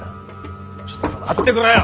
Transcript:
ちょっと待ってくれよ。